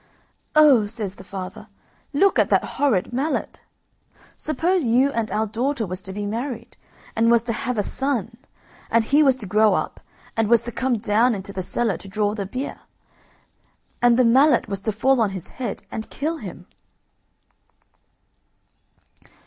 "Oh!" says the father, "look at that horrid mallet! Suppose you and our daughter was to be married, and was to have a son, and he was to grow up, and was to come down into the cellar to draw the beer, and the mallet was to fall on his head and kill him!"